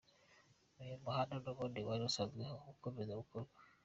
Uyu muhanda n’ubundi wari usanzweho, uzakomeza gukorwa.